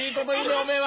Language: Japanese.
おめえは！